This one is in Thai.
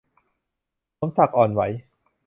สมศักดิ์ อ่อนไหว